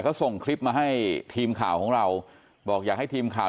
ก็ส่งคลิปมาให้ทีมข่าวของเราบอกอยากให้ทีมข่าว